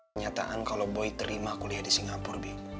kenyataan kalau boy terima kuliah di singapura b